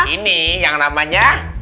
ini yang namanya